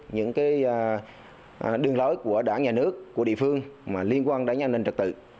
những đường lối của đảng nhà nước của địa phương mà liên quan đến an ninh trật tự